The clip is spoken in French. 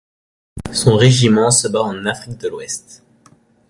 Son régiment se bat en Afrique de l'Ouest.